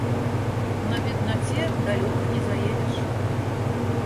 На беднаце далёка не заедзеш.